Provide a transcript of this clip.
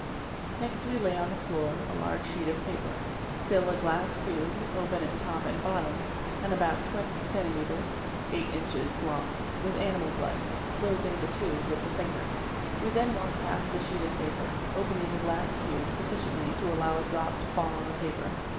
Next we lay on the floor a large 4 sheet of paper, fill a glass tube, open at top and bottom, and about 20 cm. (8 in.) long, with animal blood, closing the tube with the finger. We then walk past the sheet of paper, opening the glass tube sufficiently to allow a drop to fall on the paper.